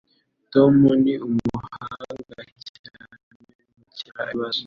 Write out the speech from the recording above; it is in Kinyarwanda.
Tom ni umuhanga cyane mugukemura ibibazo.